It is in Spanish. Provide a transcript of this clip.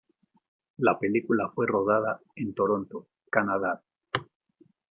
La película fue rodada en Toronto, Canadá.